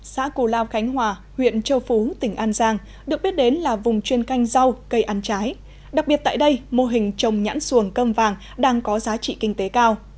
xã cù lao khánh hòa huyện châu phú tỉnh an giang được biết đến là vùng chuyên canh rau cây ăn trái đặc biệt tại đây mô hình trồng nhãn xuồng cơm vàng đang có giá trị kinh tế cao